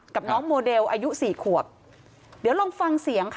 กับน้องโมเดลอายุสี่ขวบเดี๋ยวลองฟังเสียงค่ะ